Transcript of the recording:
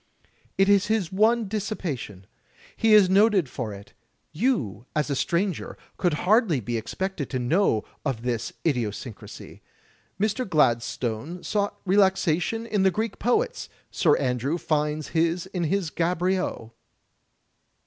"It is his one dissipation. He is noted for it. You, as a stranger, could hardly be expected to know of this idiosyncrasy. Mr.^^ladstope sought relaxation in the Greek poets. Sir Andrew finds his in Gaboriau.